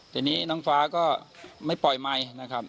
ทีนี้น้องฟ้าก็ไม่ปล่อยไมค์นะครับ